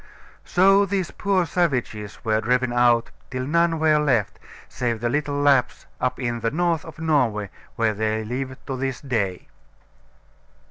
So these poor savages were driven out, till none were left, save the little Lapps up in the north of Norway, where they live to this day.